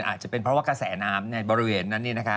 อาจจะเป็นเพราะว่ากระแสน้ำในบริเวณนั้น